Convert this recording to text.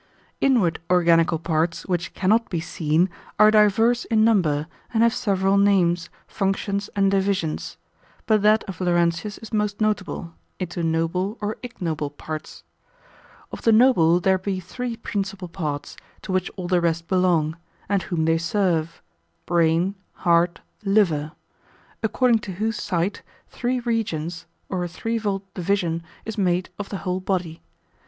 Inward organical parts, which cannot be seen, are divers in number, and have several names, functions, and divisions; but that of Laurentius is most notable, into noble or ignoble parts. Of the noble there be three principal parts, to which all the rest belong, and whom they serve—brain, heart, liver; according to whose site, three regions, or a threefold division, is made of the whole body.